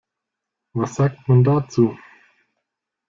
Was sagt man dazu?